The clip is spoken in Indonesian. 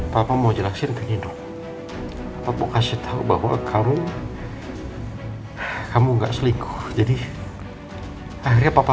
papa mau jelasin ke hidup aku kasih tahu bahwa kamu kamu enggak selingkuh jadi akhirnya papa